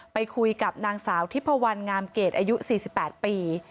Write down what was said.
ไปคุยกับนางสาวทิพวันงามเกรดอายุ๔๘ปี